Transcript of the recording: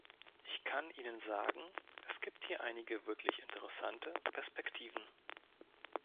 Ich kann Ihnen sagen, es gibt hier einige wirklich interessante Perspektiven.